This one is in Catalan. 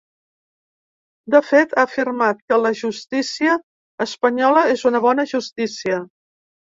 De fet, ha afirmat que la justícia espanyola és una ‘bona justícia’.